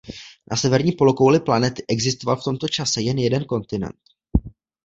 Na severní polokouli planety existoval v tom čase jen jeden kontinent.